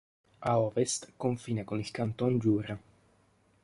Ad ovest confina con il Canton Giura.